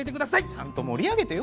ちゃんと盛り上げてよ。